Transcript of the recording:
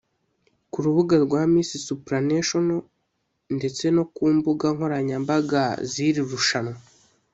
Ku rubuga rwa Miss Supranational ndetse no ku mbuga nkoranyambaga z’iri rushanwa